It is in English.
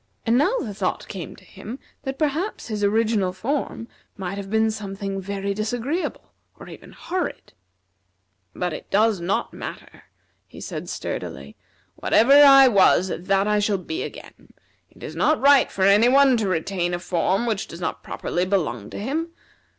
And now the thought came to him that perhaps his original form might have been something very disagreeable, or even horrid. "But it does not matter," he said sturdily. "Whatever I was that shall I be again. It is not right for any one to retain a form which does not properly belong to him.